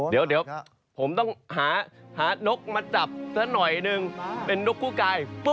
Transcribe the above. เดี๋ยวผมต้องหานกมาจับซะหน่อยนึงเป็นนกกู้กาย